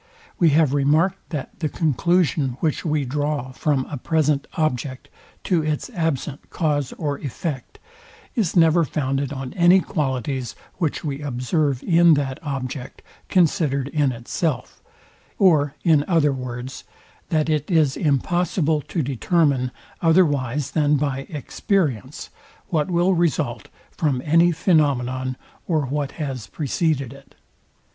We have remarked, that the conclusion, which we draw from a present object to its absent cause or effect, is never founded on any qualities, which we observe in that object, considered in itself, or, in other words, that it is impossible to determine, otherwise than by experience, what will result from any phenomenon, or what has preceded it.